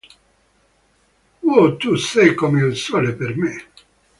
W:Tu sei come il sole per me.